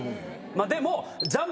でも。